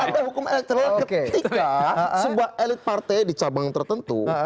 ada hukum elektoral ketika sebuah elit partai di cabang tertentu